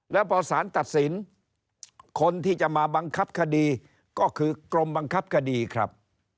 แล้วพอสารตัดสินคนที่จะมาบังคับคดีก็คือกรมบังคับคดีครับ